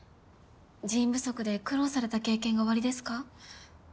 人員不足で苦労された経験がおありですか？